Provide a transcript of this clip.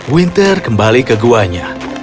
winter kembali ke guanya